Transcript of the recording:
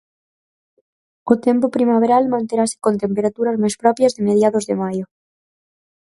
O tempo primaveral manterase con temperaturas máis propias de mediados de maio.